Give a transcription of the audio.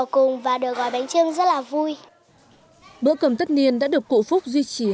các cháu có thể tìm hiểu và tìm hiểu